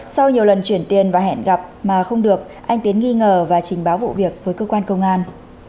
sau nhiều lần chuyển tiền và hẹn gặp mà không được anh tiến nghi ngờ và trình báo vụ việc với cơ quan công an